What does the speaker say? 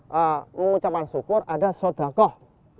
mengucapkan syukur ada shodhagoh